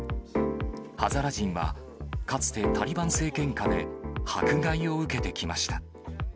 ハザラ人は、かつてタリバン政権下で迫害を受けてきました。